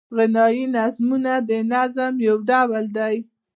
غنايي نظمونه د نظم یو ډول دﺉ.